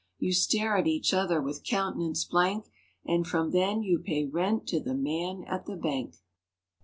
You stare at each other with countenance blank— And from then you pay rent to the man at the bank.